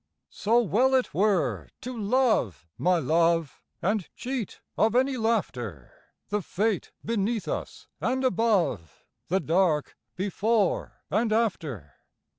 So well it were to love, my love, And cheat of any laughter The fate beneath us and above, The dark before and after.